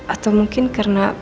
atau mungkin karena